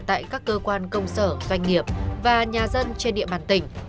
tại các cơ quan công sở doanh nghiệp và nhà dân trên địa bàn tỉnh